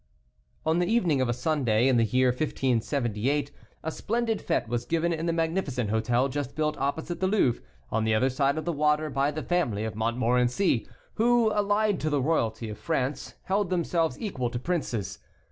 On the evening of a Sunday, in the year 1578, a splendid fête was given in the magnificent hotel just built opposite the Louvre, on the other side of the water, by the family of Montmorency, who, allied to the royalty of France, held themselves equal to princes.